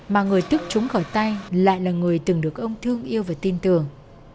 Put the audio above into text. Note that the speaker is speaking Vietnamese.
mà người tức trúng khỏi tay lại là người từng được ông thương yêu và tin tưởng